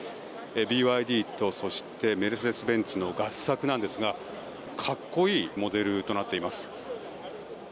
ＢＹＤとメルセデス・ベンツの合作なんですが格好いいモデルとなっています。